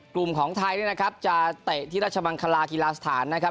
กลุ่มของไทยเนี่ยนะครับจะเตะที่ราชมังคลากีฬาสถานนะครับ